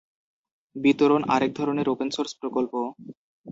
বিতরণ আরেক ধরনের ওপেন সোর্স প্রকল্প।